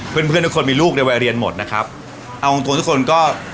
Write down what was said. เพื่อนเพื่อนทุกคนมีลูกในวัยเรียนหมดนะครับเอาจริงตัวทุกคนก็